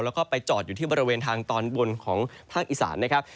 แล้วก็ไปจอดอยู่ที่บริเวณทางตอนบนของภาคอีสานนะครับ